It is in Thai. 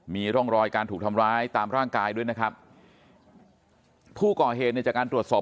มีร่องรอยการถูกทำร้ายตามร่างกายด้วยนะครับผู้ก่อเหตุเนี่ยจากการตรวจสอบ